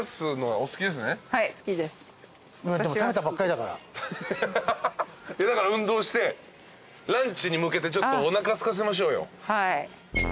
だから運動してランチに向けておなかすかせましょうよ。